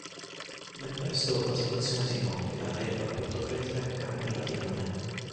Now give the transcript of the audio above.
Ben presto la situazione si complica e il rapporto fra i tre cambia radicalmente.